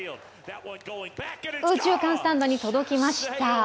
右中間スタンドに届きました。